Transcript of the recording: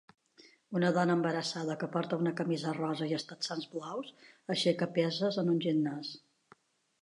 Una dona embarassada que porta una camisa Rosa i els texans blaus aixeca peses en un gimnàs.